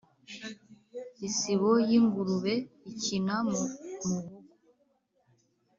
Isibo y'ingurube ikina mu muhogo!